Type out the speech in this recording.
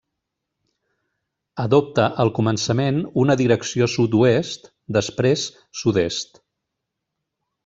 Adopta al començament una direcció sud-oest, després sud-est.